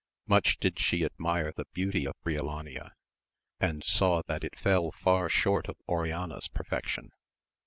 Much did she admire the beauty of Brio lania, and saw that it fell far short of Oriana's perfec tion.